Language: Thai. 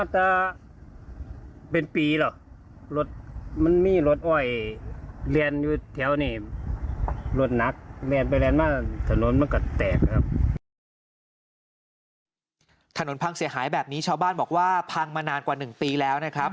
ถนนพังเสียหายแบบนี้ชาวบ้านบอกว่าพังมานานกว่า๑ปีแล้วนะครับ